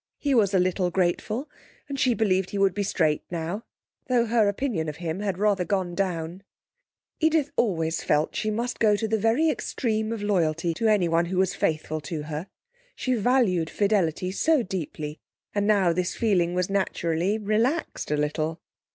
He was a little grateful, and she believed he would be straight now, though her opinion of him had rather gone down. Edith always felt that she must go to the very extreme of loyalty to anyone who was faithful to her; she valued fidelity so deeply, and now this feeling was naturally relaxed a little.